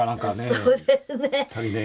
そうですね。